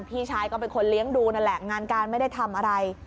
พี่ชายก็เป็นคนเลี้ยงดูนั่นแหละงานการไม่ได้ทำอะไร